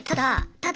ただ！